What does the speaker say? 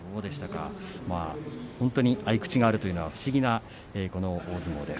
合い口があるというのは不思議な大相撲です。